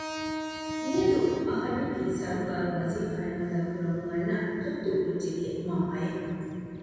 މިއަދު އަހަންނަކީ ސަރުކާރު ވަޒިފާ އެއް އަދާ ކުރަމުން އަންނަ ތުއްތު ކުއްޖެއްގެ މަންމައެއް